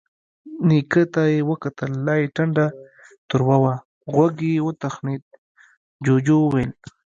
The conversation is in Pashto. نيکه ته يې وکتل، لا يې ټنډه تروه وه. غوږ يې وتخڼېد، جُوجُو وويل: